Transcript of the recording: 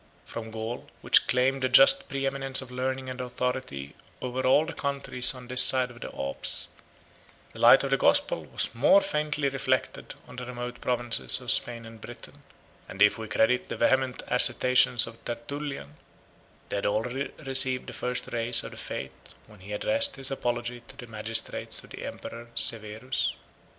From Gaul, which claimed a just preeminence of learning and authority over all the countries on this side of the Alps, the light of the gospel was more faintly reflected on the remote provinces of Spain and Britain; and if we may credit the vehement assertions of Tertullian, they had already received the first rays of the faith, when he addressed his apology to the magistrates of the emperor Severus.